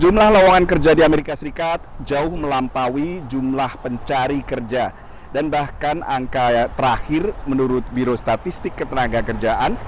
menurut biro statistik ketenaga kerjaan